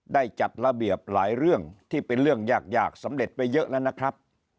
ได้จัดระเบียบหลายเรื่องที่เป็นเรื่องยากสำเร็จไปเยอะแล้วนะครับ